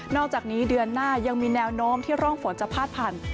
อกจากนี้เดือนหน้ายังมีแนวโน้มที่ร่องฝนจะพาดผ่าน